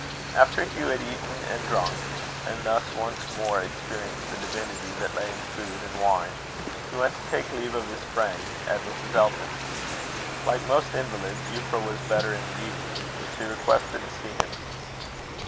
After Hugh had eaten and drunk, and thus once more experienced the divinity that lay in food and wine, he went to take leave of his friends at Mrs. Elton's. Like most invalids, Euphra was better in the evening: she requested to see him.